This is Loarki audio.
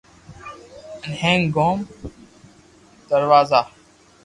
ھین ھینگ گوم دروازا